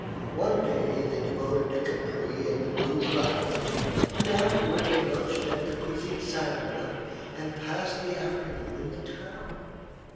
One day they devoted to Capri and the Blue Grotto, and afterward they lunched at the Quisisana and passed the afternoon in the town.